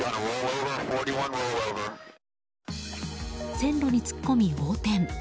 線路に突っ込み、横転。